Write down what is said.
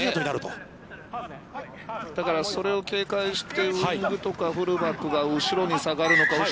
◆だからそれを警戒してウイングとかフルバックが後ろに下がるのか。